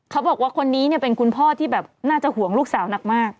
เขาบอกว่าคนนี้เป็นคุณพ่อที่แบบน่าจะห่วงลูกสาวหนักมาก